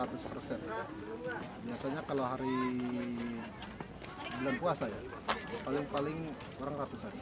biasanya kalau hari bulan puasa ya paling paling orang ratusan